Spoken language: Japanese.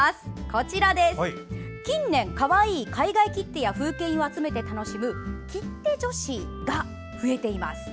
こちら、近年かわいい海外切手や風景印を集めて楽しむ切手女子が増えています。